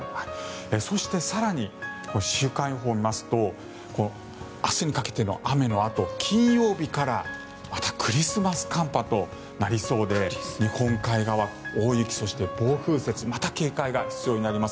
そして、更に週間予報を見ますと明日にかけての雨のあと金曜日からまたクリスマス寒波となりそうで日本海側、大雪そして暴風雪また警戒が必要になります。